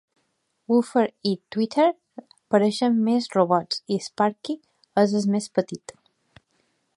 Woofer i Tweeter semblen més robots i Sparky és més petit.